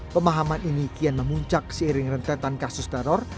pemahaman ini kian memuncak seiring rentetan kasus teror